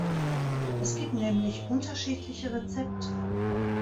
Es gibt nämlich unterschiedliche Rezepte.